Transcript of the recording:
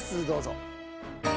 どうぞ。